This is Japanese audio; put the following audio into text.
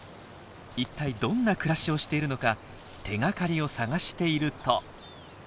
一体どんな暮らしをしているのか手がかりを探していると。